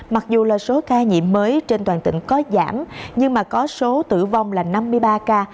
mặc dù là số ca nhiễm mới trên toàn tỉnh có giảm nhưng mà có số tử vong là năm mươi ba ca